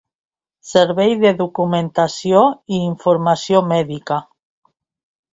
Servei de Documentació i Informació Mèdica.